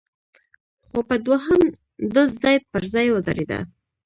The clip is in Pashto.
خو په دوهم ډز ځای پر ځای ودرېده،